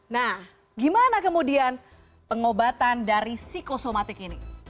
nah gimana kemudian pengobatan dari psikosomatik ini